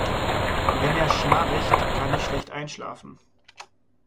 Wenn er schnarcht, kann ich schlecht einschlafen.